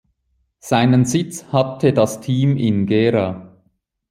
Seinen Sitz hatte das Team in Gera.